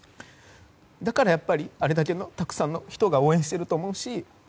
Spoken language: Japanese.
だから、あれだけたくさんの人が応援してると思うし。